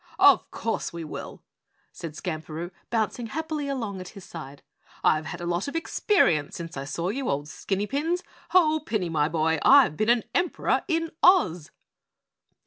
"Of course we will," said Skamperoo, bouncing happily along at his side. "I've had a lot of experience since I saw you, old Skinny Pins. Ho, Pinny, my boy, I've been an Emperor in Oz!"